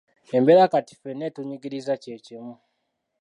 Embeera kati ffenna etunyigiriza kye kimu.